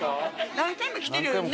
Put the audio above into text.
何回も来てるよね？